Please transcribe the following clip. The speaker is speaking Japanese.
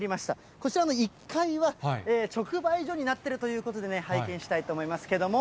こちらの１階は直売所になってるということでね、拝見したいと思いますけども。